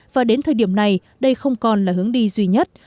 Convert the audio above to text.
và đến thời điểm này đây không còn là hướng đi duy nhất